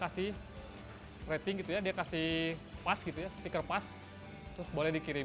kalau sesuai standar dia kasih rating gitu ya dia kasih pass gitu ya ticker pass terus boleh dikirim